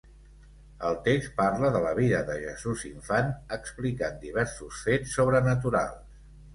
El text parla de la vida de Jesús infant, explicant diversos fets sobrenaturals.